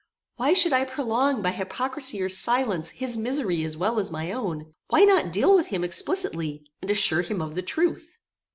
Why should I prolong, by hypocrisy or silence, his misery as well as my own? Why not deal with him explicitly, and assure him of the truth?